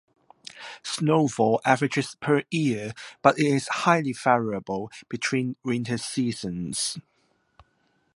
Snowfall averages per year but is highly variable between winter seasons.